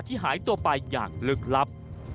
หายตัวไปอย่างลึกลับ